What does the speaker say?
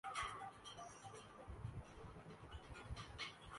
پاک ارمی اور P C B eleven کا میچ جنرل راحیل نے افتتاح کیا